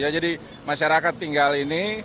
jadi masyarakat tinggal ini